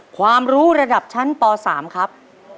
ความรู้ระดับชั้นป๓ครับ